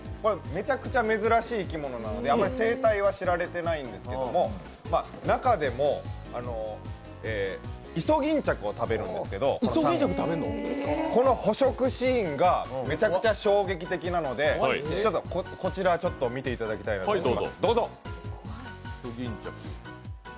めちゃくちゃ珍しい生き物なので、あまり生態は知られていないんですけど、中でも、イソギンチャクを食べるんですけど、この捕食シーンがめちゃくちゃ衝撃的なので、こちら、見ていただきたいなと思います。